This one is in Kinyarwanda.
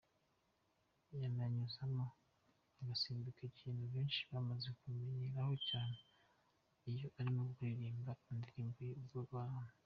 Yananyuzagamo agasimbuka, ikintu benshi bamaze kumumenyeraho cyane iyo arimo kuririmba indirimbo ye 'Ubwo buntu'.